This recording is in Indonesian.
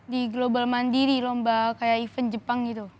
di global mandiri lomba kayak event jepang gitu